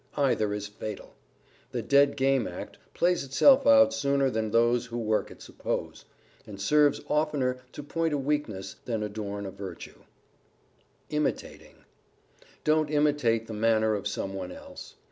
Either is fatal. The dead game act plays itself out sooner than those who work it suppose, and serves oftener to point a weakness than adorn a virtue. [Sidenote: IMITATING] Don't imitate the manner of some one else.